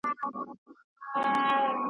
ړوند یو وار امساء ورکوي ,